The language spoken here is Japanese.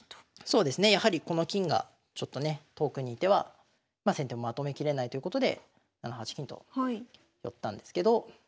そうですねやはりこの金がちょっとね遠くに居てはまあ先手もまとめきれないということで７八金と寄ったんですけど。